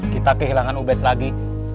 kita kehilangan ubed lagi